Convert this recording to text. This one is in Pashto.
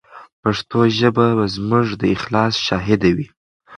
پښتو ژبه به زموږ د اخلاص شاهده وي.